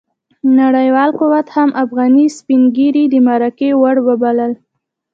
نړیوال قوت هم افغاني سپين ږيري د مرګي وړ وبلل.